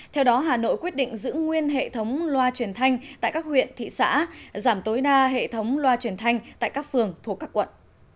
theo đó hà nội quyết định giữ nguyên hệ thống loa truyền thanh tại các huyện thị xã giảm tối đa hệ thống loa truyền thanh tại các phường thuộc các quận